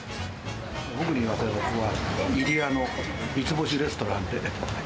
僕に言わせると、ここは、入谷の三つ星レストランで。